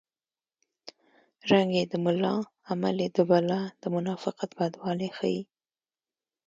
رنګ یې د ملا عمل یې د بلا د منافقت بدوالی ښيي